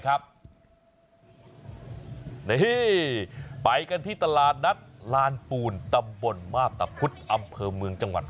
นี่ไปกันที่ตลาดนัดลานปูนตำบลมาพตะพุธอำเภอเมืองจังหวัด